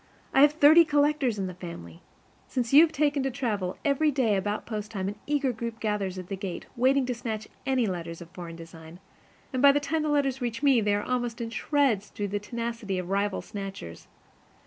I have thirty collectors in the family. Since you have taken to travel, every day about post time an eager group gathers at the gate, waiting to snatch any letters of foreign design, and by the time the letters reach me they are almost in shreds through the tenacity of rival snatchers.